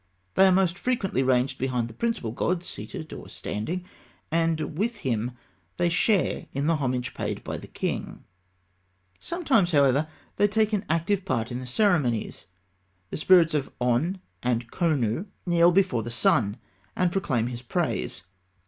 They are most frequently ranged behind the principal god, seated or standing; and with him they share in the homage paid by the king. Sometimes, however, they take an active part in the ceremonies. The spirits of On and Khonû kneel before the sun, and proclaim his praise.